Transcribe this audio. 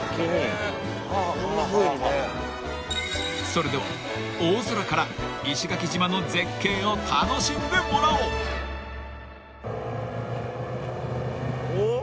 ［それでは大空から石垣島の絶景を楽しんでもらおう］おっ？